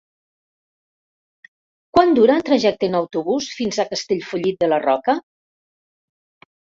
Quant dura el trajecte en autobús fins a Castellfollit de la Roca?